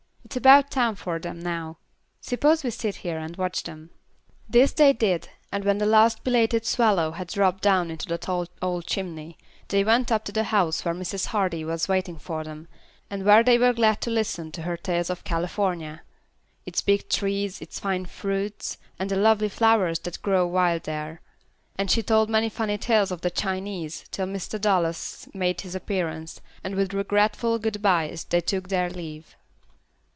It's about time for them now. Suppose we sit here and watch them." This they did, and when the last belated swallow had dropped down into the tall old chimney, they went up to the house where Mrs. Hardy was waiting for them, and where they were glad to listen to her tales of California; its big trees, its fine fruits, and the lovely flowers that grow wild there; and she told many funny tales of the Chinese, till Mr. Dallas made his appearance, and with regretful good byes they took their leave.